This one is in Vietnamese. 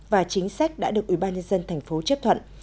và chính sách đã được ủy ban nhân dân thành phố chấp thuận